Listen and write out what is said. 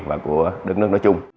và của đất nước nói chung